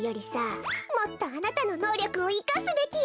もっとあなたののうりょくをいかすべきよ。